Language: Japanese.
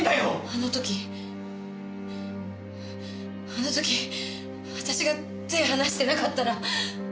あの時あの時私が手離してなかったら。